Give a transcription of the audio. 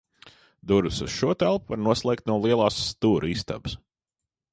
Durvis uz šo telpu var noslēgt no lielās stūra istabas.